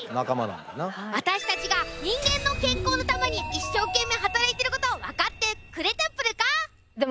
私たちが人間の健康のために一生懸命働いてること分かってくれたプルか？